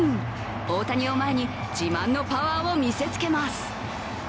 大谷を前に自慢のパワーを見せつけます。